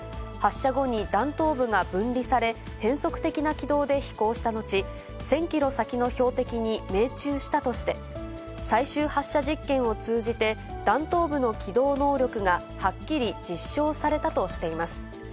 発射後に弾頭部が分離され、変則的な軌道で飛行したのち、１０００キロ先の標的に命中したとして、最終発射実験を通じて、弾頭部の機動能力がはっきり実証されたとしています。